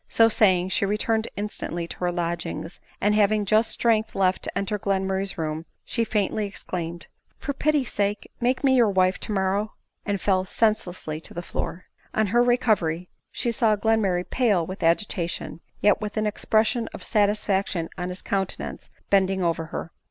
So saying, she returned instantly to her lodgings ; and having just strength left to enter Glenmurray's room, she faintly exclaimed: —" For pity's sake make me your wife tomorrow !" and fell senseless on the floor. On her recovery she saw Glenmurray pale with agita tion, yet with an expression of satisfaction in his counte nance, bending over her.